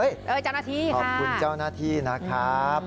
เจ้าหน้าที่ขอบคุณเจ้าหน้าที่นะครับ